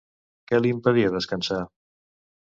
Què li impedia descansar?